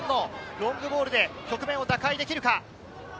ロングボールで局面を打開できるか。